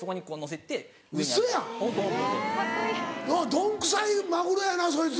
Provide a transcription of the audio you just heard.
どんくさいマグロやなそいつ。